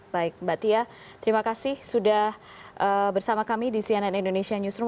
baik mbak tia terima kasih sudah bersama kami di cnn indonesia newsroom